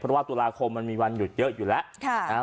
เพราะว่าตุลาคมมันมีวันหยุดเยอะอยู่แล้ว